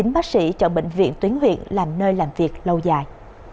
ba mươi chín bác sĩ chọn bệnh viện tuyến huyện làm nơi làm việc lâu dài